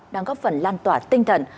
đang góp phần lan tỏa tinh thần